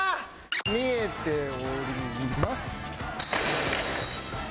見えております。